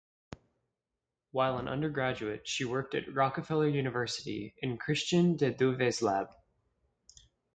While an undergraduate she worked at Rockefeller University in Christian de Duve’s lab.